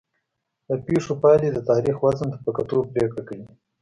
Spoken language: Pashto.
د پېښو پایلې د تاریخ وزن ته په کتو پرېکړه کوي.